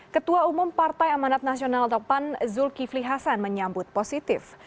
ketua umum partai amanat nasional atau pan zulkifli hasan menyambut positif